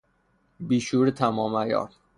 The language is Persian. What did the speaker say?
بیشعور تمام عیار!